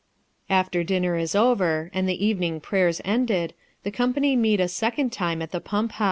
After dinner is over, and evening prayers ended, the company meet a second time at the pump house.